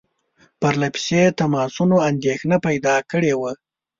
پرله پسې تماسونو اندېښنه پیدا کړې وه.